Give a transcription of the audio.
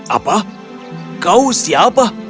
apa kau siapa